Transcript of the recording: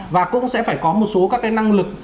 và cũng sẽ phải có một số các cái năng lực